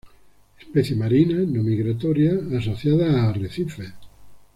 Especie marina, no migratoria, asociada a arrecifes.